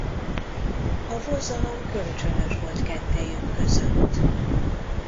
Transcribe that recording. A vonzalom kölcsönös volt kettejük között.